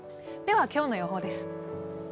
今日の予報です。